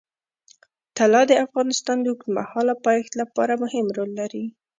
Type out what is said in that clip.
طلا د افغانستان د اوږدمهاله پایښت لپاره مهم رول لري.